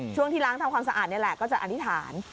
ช่วงที่ล้างทำความสะอาดนี่แหละก็จะอธิษฐาน